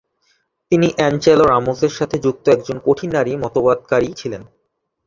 তিনি অ্যাঞ্জেলা রামোসের সাথে যুক্ত একজন কঠিন নারী মতাধিকারবাদী ছিলেন।